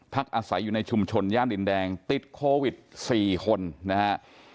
อาศัยอยู่ในชุมชนย่านดินแดงติดโควิด๔คนนะฮะ